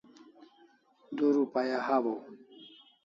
Du rupaya hawaw